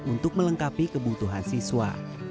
untuk melengkapi kebutuhan siswa